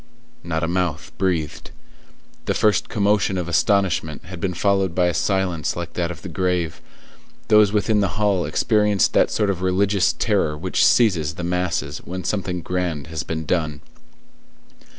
Not a mouth breathed; the first commotion of astonishment had been followed by a silence like that of the grave; those within the hall experienced that sort of religious terror which seizes the masses when something grand has been done.